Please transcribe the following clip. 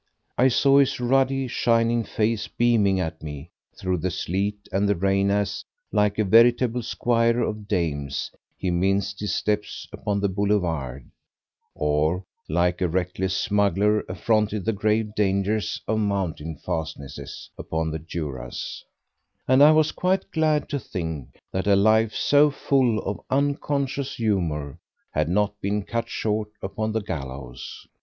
I saw his ruddy, shiny face beaming at me through the sleet and the rain as, like a veritable squire of dames, he minced his steps upon the boulevard, or, like a reckless smuggler, affronted the grave dangers of mountain fastnesses upon the Juras; and I was quite glad to think that a life so full of unconscious humour had not been cut short upon the gallows.